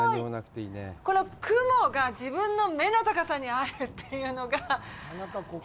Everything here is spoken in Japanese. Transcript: この雲が自分の目の高さにあるというのがいい！